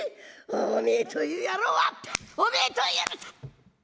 おめえという野郎はおめえという野郎は」。